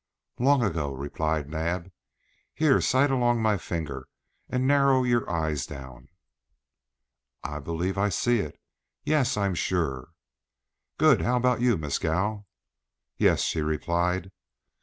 "Long ago," replied Naab. "Here, sight along my finger, and narrow your eyes down." "I believe I see it yes, I'm sure." "Good. How about you, Mescal?" "Yes," she replied.